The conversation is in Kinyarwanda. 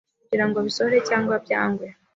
kugirango bisohore cyangwa byangwe